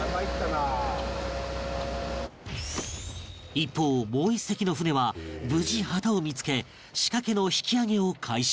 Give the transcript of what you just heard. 一方もう１隻の船は無事旗を見付け仕掛けの引き揚げを開始